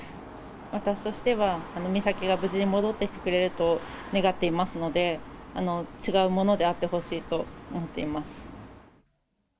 私としては、美咲が無事に戻ってきてくれると願っていますので、違うものであってほしいと思っています。